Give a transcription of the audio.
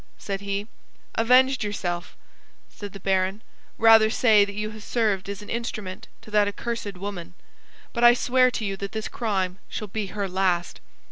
said he. "Avenged yourself," said the baron. "Rather say that you have served as an instrument to that accursed woman; but I swear to you that this crime shall be her last."